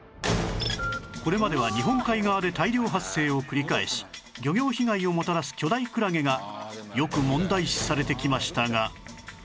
これまでは日本海側で大量発生を繰り返し漁業被害をもたらす巨大クラゲがよく問題視されてきましたが